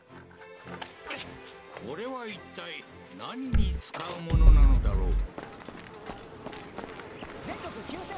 これはいったい何に使うものなのだろう？